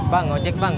bang ojek bang